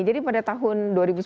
jadi pada tahun dua ribu sebelas